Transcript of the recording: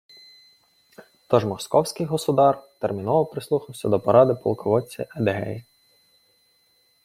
Тож «Московський Государ» терміново прислухався до поради полководця Едигея